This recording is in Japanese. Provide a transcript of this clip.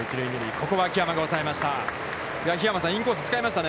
ここは秋山が抑えました。